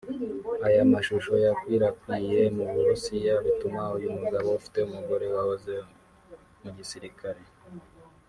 Aya mashusho yakwirakwiriye mu Burusiya bituma uyu mugabo ufite umugore wahoze mu gisirikare